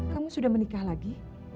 kamu sudah menikah lagi